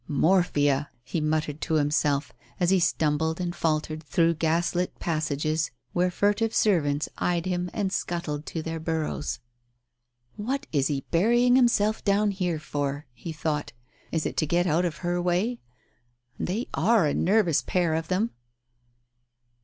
" Morphia !" he muttered to himself, as he stumbled and faltered through gaslit passages, where furtive servants eyed him and scuttled to their burrows. Digitized by Google THE PRAYER 121 "What is he burying himself down here for?" he thought. "Is it to get out of her way? They are a nervous pair of them